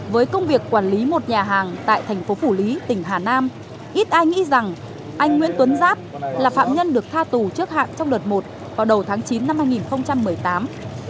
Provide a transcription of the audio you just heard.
với công việc quản lý một nhà hàng tại thành phố phủ lý tỉnh hà nam ít ai nghĩ rằng anh nguyễn tuấn giáp là phạm nhân được tha tù trước hạn trong đợt một vào đầu tháng chín năm hai nghìn một mươi tám